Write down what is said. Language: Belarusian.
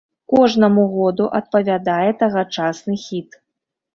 Кожнаму году адпавядае тагачасны хіт.